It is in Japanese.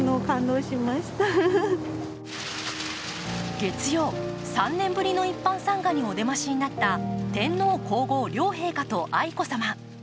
月曜、３年ぶりの一般参賀にお出ましになった天皇皇后両陛下と愛子さま。